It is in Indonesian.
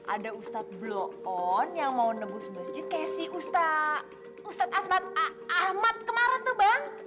ada ustadz bloon yang mau nebus masjid kayak si ustadz asmat ahmad kemarin tuh bang